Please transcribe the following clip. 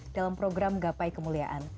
dalam program gapai kemuliaan